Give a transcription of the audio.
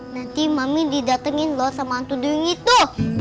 nanti mami didatengin loh sama hantu doyung itu